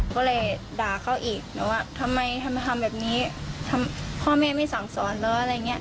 ก็เลยด่าเขาอีกหนูว่าทำไมทำไมทำแบบนี้ทำพ่อแม่ไม่สั่งสอนแล้วอะไรเงี้ย